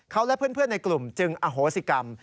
เขาและเพื่อนในกลุ่มจึงอโหสิกรรม